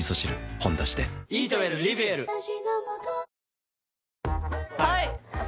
「ほんだし」ではい私